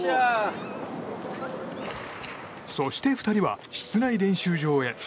そして２人は室内練習場へ。